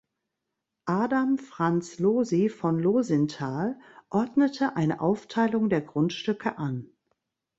Adam Franz Losy von Losinthal ordnete eine Aufteilung der Grundstücke an.